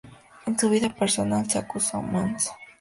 En su vida personal, se acusó a Mons.